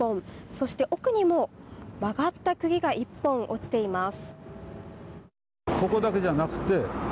そして、置くにも曲がった釘が１本落ちています。